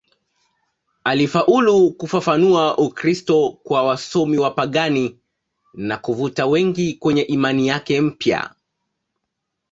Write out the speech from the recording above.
Alifaulu kufafanua Ukristo kwa wasomi wapagani na kuvuta wengi kwenye imani yake mpya.